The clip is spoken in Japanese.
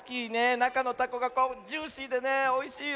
なかのたこがジューシーでねおいしいよね。